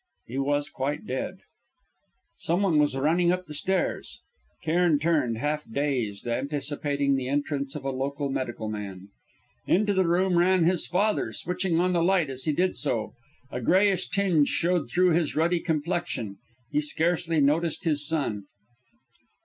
He was quite dead. Someone was running up the stairs. Cairn turned, half dazed, anticipating the entrance of a local medical man. Into the room ran his father, switching on the light as he did so. A greyish tinge showed through his ruddy complexion. He scarcely noticed his son.